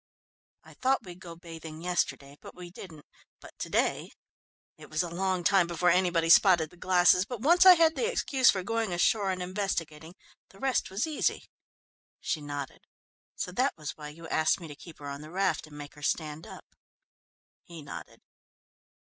"I thought we'd go bathing yesterday, but we didn't, but to day it was a long time before anybody spotted the glasses, but once I had the excuse for going ashore and investigating, the rest was easy." She nodded. "So that was why you asked me to keep her on the raft, and make her stand up?" He nodded.